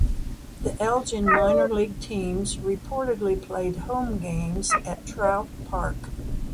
The Elgin minor league teams reportedly played home games at Trout Park.